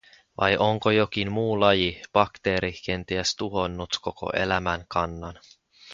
Vai onko jokin muu laji, bakteeri kenties, tuhonnut koko eläinkannan?